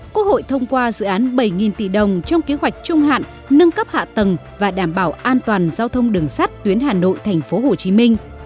quốc hội thông qua dự án bảy tỷ đồng trong kế hoạch trung hạn nâng cấp hạ tầng và đảm bảo an toàn giao thông đường sắt tuyến hà nội tp hcm